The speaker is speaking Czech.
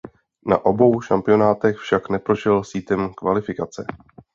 Na obou šampionátech však neprošel sítem kvalifikace.